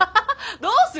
どうする？